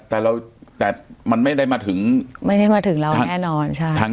แต่เราแต่มันไม่ได้มาถึงไม่ได้มาถึงเราแน่นอนใช่